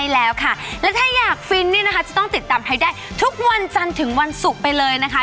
แล้วถ้าอยากฟิลจะต้องติดตามให้ทุกวันจันทร์ถึงวันศุกร์ไปเลยนะคะ